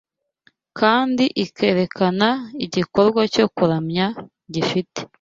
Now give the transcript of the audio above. kandi ikerekana igikorwa cyo kuramya gifite